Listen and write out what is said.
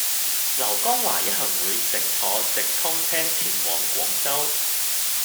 劉江華一行會乘坐直通車前往廣州